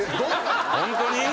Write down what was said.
ホントに？